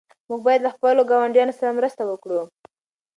موږ باید له خپلو ګاونډیانو سره مرسته وکړو.